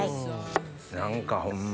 何かホンマ